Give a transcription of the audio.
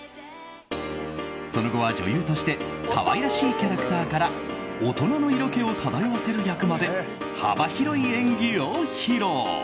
その後は女優として可愛らしいキャラクターから大人の色気を漂わせる役まで幅広い演技を披露。